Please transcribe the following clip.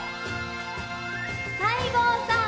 西郷さん！